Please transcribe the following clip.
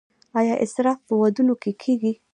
آیا اسراف په ودونو کې کیږي؟